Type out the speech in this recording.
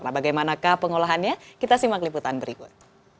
nah bagaimanakah pengolahannya kita simak liputan berikut